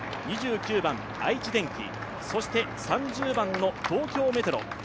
２９番、愛知電機、そして３０番の東京メトロ。